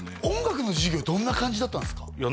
音楽の授業どんな感じだったんすか？